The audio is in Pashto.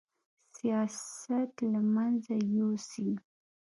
سیاست له منځه یوسي